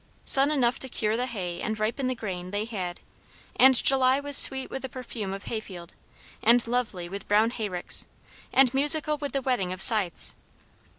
Sun enough to cure the hay and ripen the grain, they had; and July was sweet with the perfume of hayfield, and lovely with brown hayricks, and musical with the whetting of scythes.